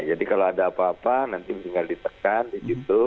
jadi kalau ada apa apa nanti tinggal ditekan di situ